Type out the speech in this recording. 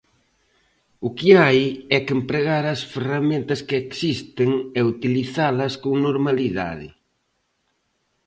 O que hai é que empregar as ferramentas que existen e utilizalas con normalidade.